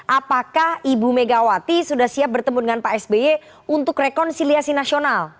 apakah ibu megawati sudah siap bertemu dengan pak sby untuk rekonsiliasi nasional